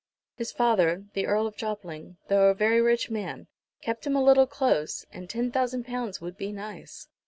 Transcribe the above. His father, the Earl of Jopling, though a very rich man, kept him a little close, and ten thousand pounds would be nice.